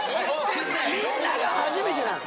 みんなが初めてなの。